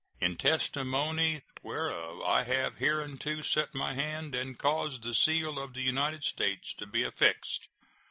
In testimony whereof I have hereunto set my hand and caused the seal of the United States to be affixed.